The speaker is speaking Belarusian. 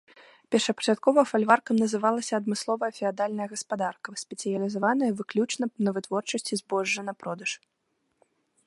Першапачаткова фальваркам называлася адмысловая феадальная гаспадарка, спецыялізаваная выключна на вытворчасці збожжа на продаж.